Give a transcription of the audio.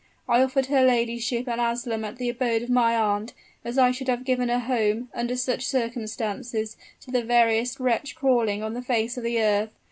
I offered her ladyship an asylum at the abode of my aunt, as I should have given a home, under such circumstances, to the veriest wretch crawling on the face of the earth.